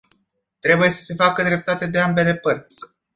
Trebuie să se facă dreptate de ambele părți.